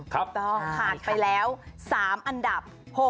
ถูกต้องผ่านไปแล้ว๓อันดับ